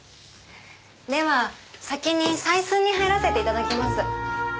では先に採寸に入らせていただきます。